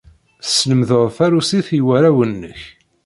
Teslemdeḍ tarusit i warraw-nnek.